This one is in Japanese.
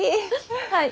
はい。